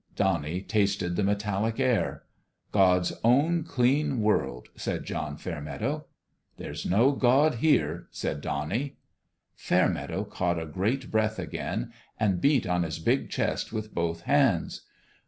Donnie tasted the metallic air. " God's own clean world 1 " said John Fair meadow. " There's no God here," said Donnie. Fairmeadow caught a great breath again and beat on his big chest with both hands.